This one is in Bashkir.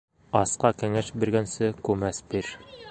Асҡа кәңәш биргәнсе, күмәс бир.